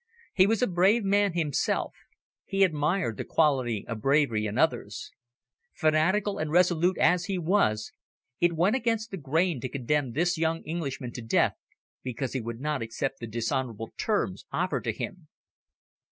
He was a brave man himself; he admired the quality of bravery in others. Fanatical and resolute as he was, it went against the grain to condemn this young Englishman to death, because he would not accept the dishonourable terms offered to him.